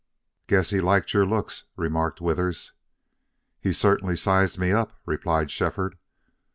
"Guess he liked your looks," remarked Withers. "He certainly sized me up," replied Shefford.